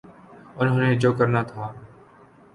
انہوں نے جو کرنا تھا۔